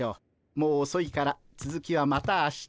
もうおそいからつづきはまた明日に。